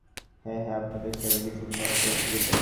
হ্যাঁ, হ্যাঁ আপনাদের সেবা কি শুধু মন্ট্রিয়াল সিটিতে?